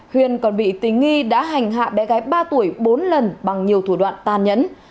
huyền còn bị tình nghi đã hành hạ bé gái ba tuổi bốn lần bằng nhiều thủ đoạn tan nhẫn